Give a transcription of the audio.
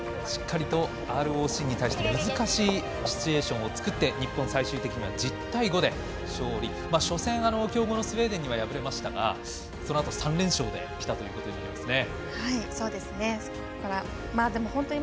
しっかりとＲＯＣに対して難しいシチュエーションを作って日本、最終的には１０対５で勝利、初戦強豪のスウェーデンには敗れましたがそのあと３連勝できたということです。